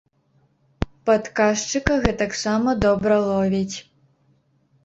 Падказчыка гэтаксама добра ловіць.